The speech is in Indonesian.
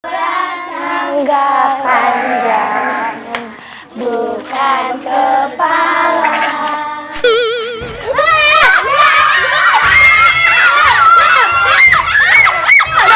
langganan jalan bukan kepala